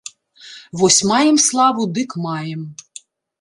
Вось маем славу дык маем!